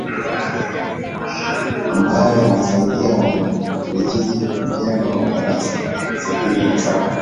Ambayo yaliwasaidia wanavijiji kujenga madarasa sitini na saba.